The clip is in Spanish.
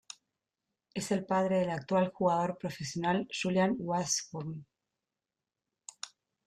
Es el padre del actual jugador profesional Julian Washburn.